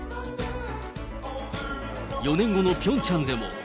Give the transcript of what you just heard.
４年後のピョンチャンでも。